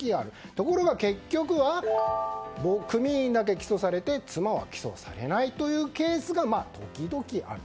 ところが結局は、組員だけ起訴されて妻は起訴されないケースが時々ある。